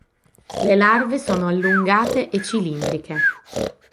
Le larve sono allungate e cilindriche.